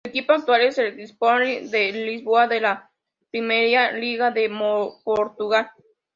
Su equipo actual es el Sporting de Lisboa de la Primeira Liga de Portugal.